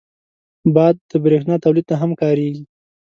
باد د بریښنا تولید ته هم کارېږي